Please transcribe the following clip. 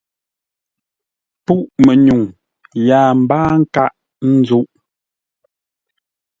Pûʼ-mənyuŋ yâa mbáa nkâʼ ńzúʼ.